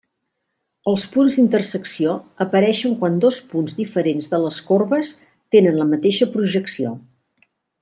Els punts d'intersecció apareixen quan dos punts diferents de les corbes tenen la mateixa projecció.